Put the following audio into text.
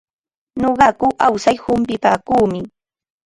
Nuqaku awsar humpipaakuumi.